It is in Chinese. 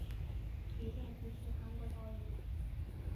李振石是韩国导演。